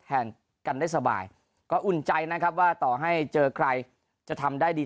แทนกันได้สบายก็อุ่นใจนะครับว่าต่อให้เจอใครจะทำได้ดี